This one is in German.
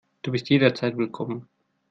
Du bist jederzeit willkommen.